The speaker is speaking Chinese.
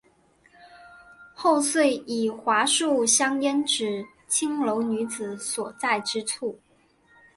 后遂以桦树香烟指代青楼女子所在之处。